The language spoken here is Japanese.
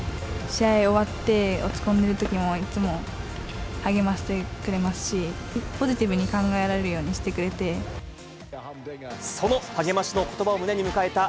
試合終わって落ち込んでいるときも、いつも励ましてくれますし、ポジティブに考えられるようにしてくれて。